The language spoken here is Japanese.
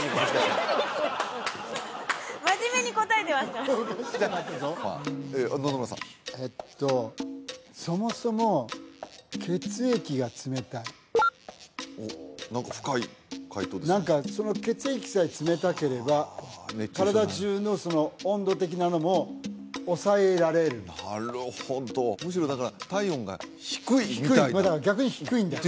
真面目に答えてますから野々村さんえっとそもそも血液が冷たいおっ何か深い解答ですね何かその血液さえ冷たければ体じゅうの温度的なのも抑えられるなるほどむしろだから体温が低いみたいなまあだから逆に低いんだ